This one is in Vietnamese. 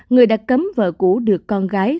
người đã cấm vợ cũ được con gái